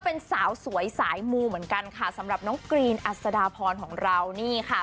เป็นสาวสวยสายมูเหมือนกันค่ะสำหรับน้องกรีนอัศดาพรของเรานี่ค่ะ